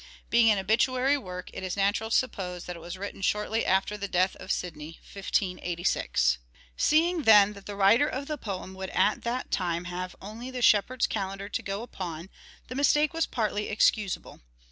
Being an obituary work it is natural to suppose that it was written shortly after MANHOOD OF DE VERE : MIDDLE PERIOD 349 the death of Sidney (1586). Seeing, then, that the writer of the poem would at that time have only the Shepherd's Calender to go upon, the mistake was partly excusable.